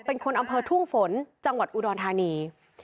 เป็นคนอำเภอทุ่งฝนจังหวัดอุดรธานี